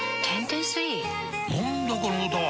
何だこの歌は！